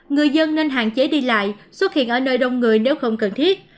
người dân nên hạn chế đi lại xuất hiện ở nơi đông người nếu không cần thiết